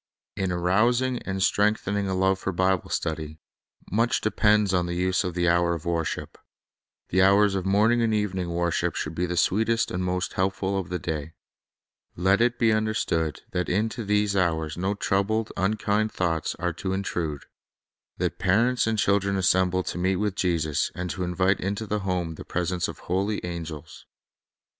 In arousing and strengthening a love for Bible stud} r , much depends on the use of the hour of wor ship. The hours of morning and evening worship should be the sweetest and most helpful of the day. Let it be understood that into these hours no troubled, unkind thoughts are to intrude; that parents and chil dren assemble to meet with Jesus, and to invite into the home the presence of holy angels.